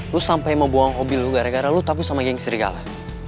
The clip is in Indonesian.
lo sampai mau buang hobi lo gara gara lo takut sama geng serigala